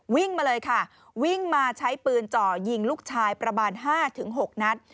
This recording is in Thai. วิ่งมาเลยค่ะวิ่งมาใช้ปืนจ่อยิงลูกชายประมาณ๕๖นัด